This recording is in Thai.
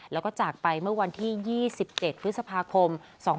แล้วก็จากไปเมื่อวันที่๒๗พฤษภาคม๒๕๖๒